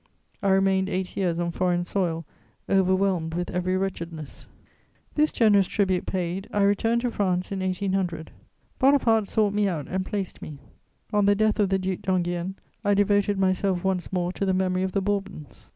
I remained eight years on foreign soil, overwhelmed with every wretchedness. This generous tribute paid, I returned to France in 1800. Bonaparte sought me out and placed me; on the death of the Duc d'Enghien, I devoted myself once more to the memory of the Bourbons.